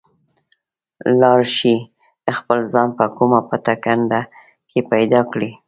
لاړ شئ خپل ځان په کومه پټه کنده کې پیدا کړئ.